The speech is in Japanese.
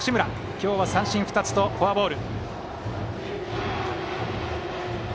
今日は三振２つとフォアボール。